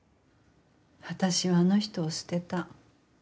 私はあの人を捨てた。